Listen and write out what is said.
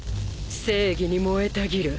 正義に燃えたぎる